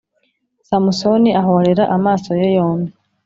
samusoni ahorera amaso ye yombi